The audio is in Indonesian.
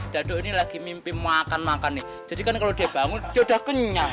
dado ini lagi mimpi makan makan nih jadi kan kalau dia bangun dia udah kenyang